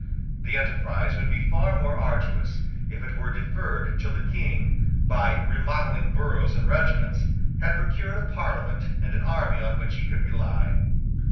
The enterprise would be far more arduous if it were deferred till the King, by remodelling boroughs and regiments, had procured a Parliament and an army on which he could rely.